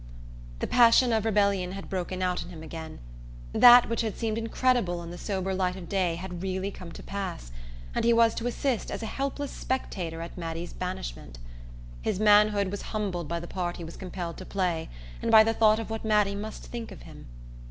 The passion of rebellion had broken out in him again. That which had seemed incredible in the sober light of day had really come to pass, and he was to assist as a helpless spectator at Mattie's banishment. His manhood was humbled by the part he was compelled to play and by the thought of what Mattie must think of him.